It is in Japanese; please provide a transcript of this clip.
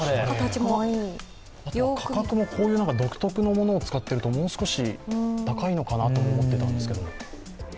あと価格もこういう独特なものを使ってるともう少し高いのかなと思ったんですけど。